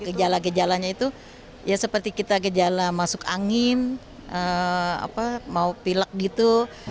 gejala gejalanya itu ya seperti kita gejala masuk angin mau pilek gitu